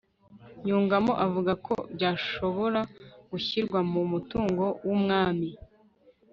yungamo avuga ko byashobora gushyirwa mu mutungo w'umwami